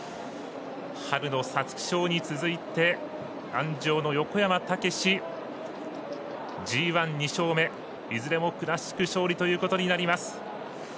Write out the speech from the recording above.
春の皐月賞に続いて鞍上の横山武史ＧＩ、２勝目いずれもクラシック勝利ということになります。